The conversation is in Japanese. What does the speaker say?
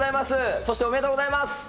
そしておめでとうございます。